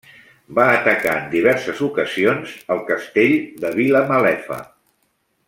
Va atacar en diverses ocasions El Castell de Vilamalefa.